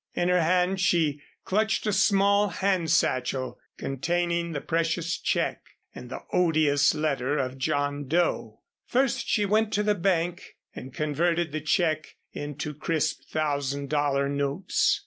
In her hand she clutched a small hand satchel containing the precious check and the odious letter of John Doe. First she went to the bank and converted the check into crisp thousand dollar notes.